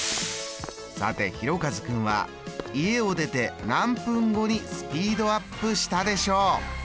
さてひろかず君は家を出て何分後にスピードアップしたでしょう」。